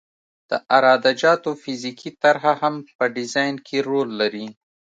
د عراده جاتو فزیکي طرح هم په ډیزاین کې رول لري